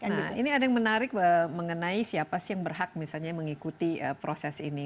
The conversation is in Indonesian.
ini ada yang menarik mengenai siapa sih yang berhak misalnya mengikuti proses ini